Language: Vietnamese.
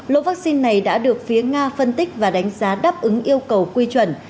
lô vaccine này đã được phía nga phân tích và đánh giá đáp ứng yêu cầu quy chuẩn